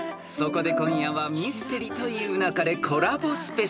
［そこで今夜は『ミステリと言う勿れ』コラボＳＰ］